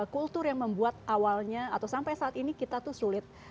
kultur yang membuat awalnya atau sampai saat ini kita tuh sulit